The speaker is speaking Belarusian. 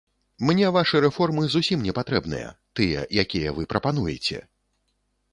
Мне вашы рэформы зусім не патрэбныя, тыя, якія вы прапануеце!